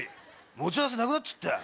持ち合わせなくなっちったよ。